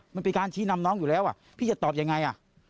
มันเป็นการชี้นำน้องอยู่แล้วพี่จะตอบยังไง